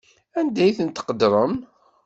Anda ay ten-tqeddrem?